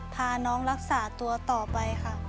พาน้องรักษาตัวต่อไปค่ะ